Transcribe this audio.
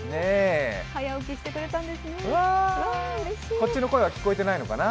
こっちの声は聞こえてないのかな？